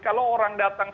jadi kalau orang datang